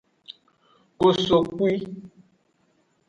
Kosokpwi.